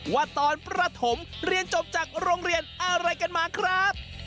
ว่าตอนประถมเรียนจบจากโรงเรียนอะไรกันมาครับ